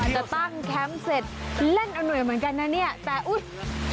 แต่ตั้งแคมป์เสร็จเล่นเอาเหนื่อยเหมือนกันนะเนี่ยแต่อุ๊ย